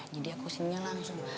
jadi aku sininya langsung